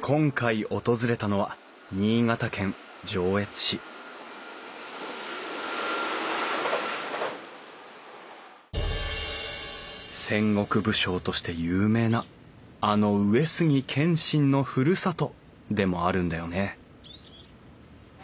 今回訪れたのは新潟県上越市戦国武将として有名なあの上杉謙信のふるさとでもあるんだよね